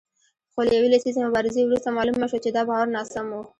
خو له یوې لسیزې مبارزې وروسته معلومه شوه چې دا باور ناسم و